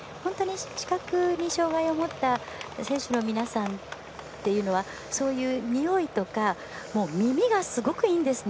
視覚に障がいを持った選手の皆さんっていうのはそういう、においとか耳がすごくいいんですね。